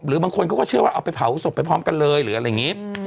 บางคนเขาก็เชื่อว่าเอาไปเผาศพไปพร้อมกันเลยหรืออะไรอย่างนี้